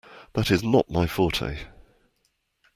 That is not my forte.